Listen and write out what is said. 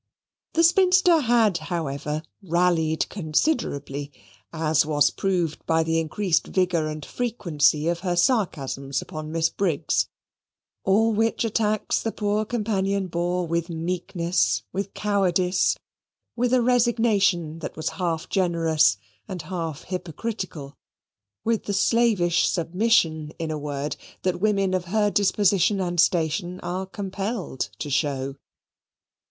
The spinster had, however, rallied considerably; as was proved by the increased vigour and frequency of her sarcasms upon Miss Briggs, all which attacks the poor companion bore with meekness, with cowardice, with a resignation that was half generous and half hypocritical with the slavish submission, in a word, that women of her disposition and station are compelled to show.